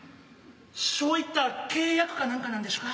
しょういった契約かなんかなんでしゅか？